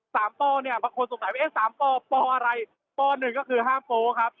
สามปอนี่เพราะคนสนใจว่าเอ๊ะสามปอเปออะไรปอหนึ่งก็คือห้ามโป๋ครับ